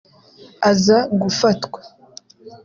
aza gufatwa